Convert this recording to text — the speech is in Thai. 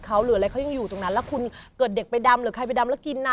พอเราไปเป็นพยานที่โรงพักค่ะ